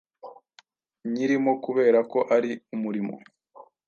Nyirimo kubera ko ari umurimo